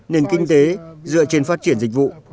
nền kinh tế dựa trên phát triển dịch vụ